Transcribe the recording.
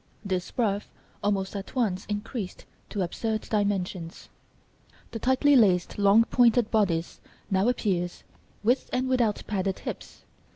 This ruff almost at once increased to absurd dimensions. The tightly laced long pointed bodice now appears, with and without padded hips.